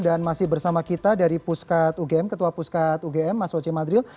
dan masih bersama kita dari puskat ugm ketua puskat ugm mas oce madril